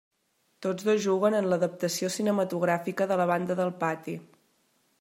Tots dos juguen en l'adaptació cinematogràfica de la banda del pati.